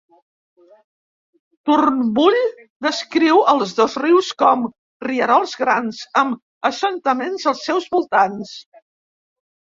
Turnbull descriu els dos rius com "rierols grans" amb assentaments als seus voltants.